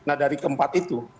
nah dari keempat itu